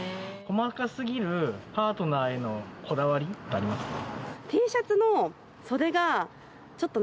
細かすぎるパートナーへのこだわりってありますか？